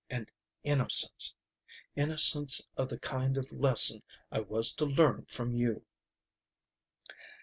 And innocence. Innocence of the kind of lesson I was to learn from you."